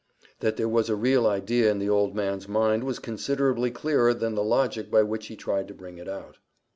That there was a real idea in the old man's mind was considerably clearer than the logic by which he tried to bring it out.